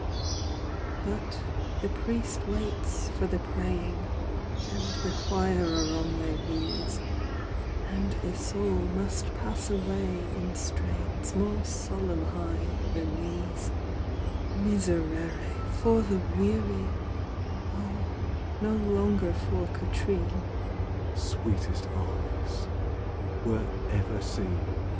XV. But the priest waits for the praying, And the choir are on their knees, And the soul must pass away in Strains more solemn high than these. Miserere For the weary! Oh, no longer for Catrine "Sweetest eyes were ever seen!"